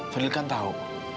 fadil kan tahu